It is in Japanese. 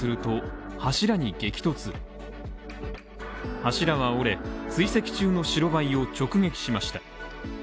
柱は折れ、追跡中の白バイを直撃しました。